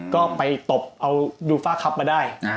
ก็ไปตบดูฟาคลับมาได้